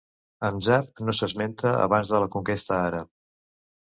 Mzab no s'esmenta abans de la conquesta àrab.